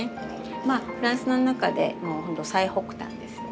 まあフランスの中でもうほんと最北端ですよね。